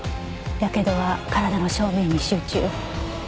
やけどは体の正面に集中。